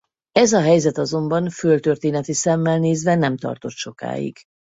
Ez a helyzet azonban földtörténeti szemmel nézve nem tartott sokáig.